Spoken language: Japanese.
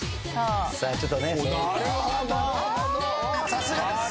さすがです。